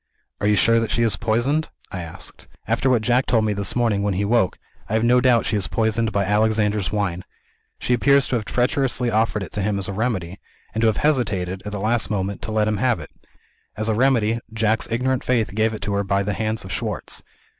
"Are you sure that she is poisoned?" I asked. "After what Jack told me this morning when he woke, I have no doubt she is poisoned by 'Alexander's Wine.' She appears to have treacherously offered it to him as a remedy and to have hesitated, at the last moment, to let him have it. As a remedy, Jack's ignorant faith gave it to her by the hands of Schwartz.